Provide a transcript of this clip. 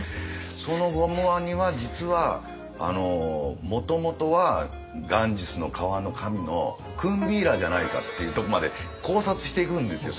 そのゴムワニは実はもともとはガンジスの川の神のクンビーラじゃないかっていうとこまで考察していくんですよ。